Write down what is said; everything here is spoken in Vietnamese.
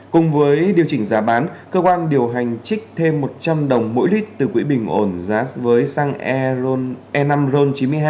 cùng với điều chỉnh giá bán cơ quan điều hành trích thêm một trăm linh đồng mỗi lít từ quỹ bình ổn giá với xăng e năm ron chín mươi hai